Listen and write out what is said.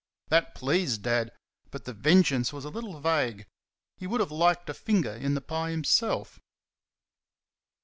That pleased Dad; but the vengeance was a little vague. He would have liked a finger in the pie himself.